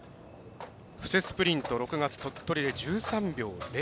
布勢スプリント、６月鳥取で１３秒００。